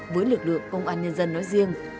với lực lượng công an nhân dân nói riêng